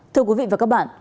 thưa quý vị và các bạn